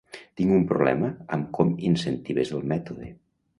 Tinc un problema amb com incentives el mètode.